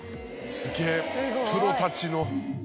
すげぇプロたちの。